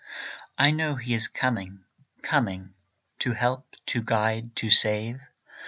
I know he is coming, coming, To help, to guide, to save.